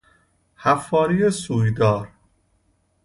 حفاری سویدار